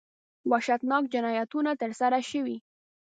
وحشتناک جنایتونه ترسره شوي.